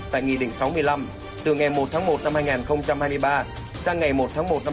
tại nghị định sáu mươi năm từ ngày một tháng một năm hai nghìn hai mươi ba sang ngày một tháng một năm hai nghìn hai